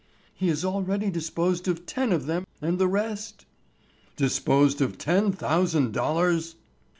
"He has already disposed of ten of them and the rest——" "Disposed of ten thousand dollars!"